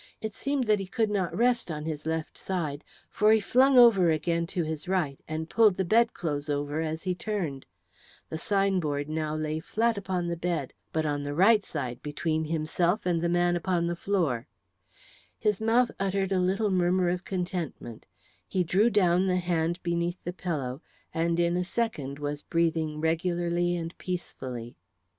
It seemed that he could not rest on his left side, for he flung over again to his right and pulled the bedclothes over as he turned. The sign board now lay flat upon the bed, but on the right side between himself and the man upon the floor. His mouth uttered a little murmur of contentment, he drew down the hand beneath the pillow, and in a second was breathing regularly and peacefully. [Illustration: "WITH HIS RIGHT ARM HE DROVE HIS HUNTING KNIFE DOWN INTO THE BACK OF THE HAND."